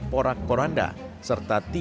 porak koranda serta tiga